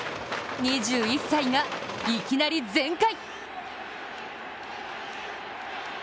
２１歳がいきなり全開。